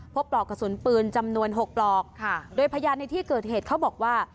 ปลอกกระสุนปืนจำนวน๖ปลอกโดยพยานในที่เกิดเหตุเขาบอกว่า